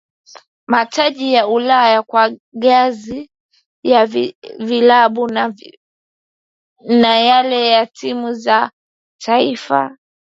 Mataji ya Ulaya kwa ngazi ya vilabu na yale ya timu za taifa